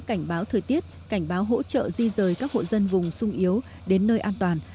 cảnh báo thời tiết cảnh báo hỗ trợ di rời các hộ dân vùng sung yếu đến nơi an toàn